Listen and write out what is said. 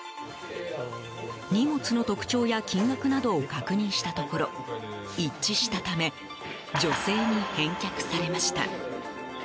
荷物の特徴や金額などを確認したところ一致したため女性に返却されました。